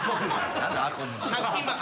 何だ